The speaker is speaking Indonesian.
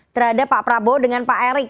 terhadap pak prabowo dengan pak erik